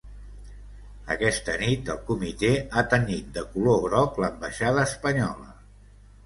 Aquesta nit, el comitè ha tenyit de color groc l’ambaixada espanyola.